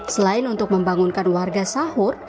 selain untuk membangunkan warga sahur